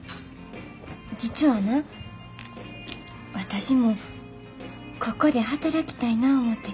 実はな私もここで働きたいなぁ思て。